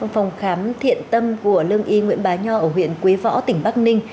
phòng khám thiện tâm của lương y nguyễn bá nho ở huyện quế võ tỉnh bắc ninh